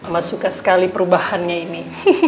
mas suka sekali perubahannya ini